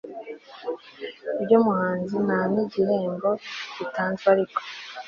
ry umuhanzi nta n igihembo gitanzwe ariko